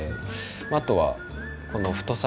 あとはこの太さ。